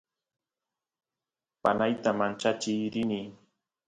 panayta manchachiy rini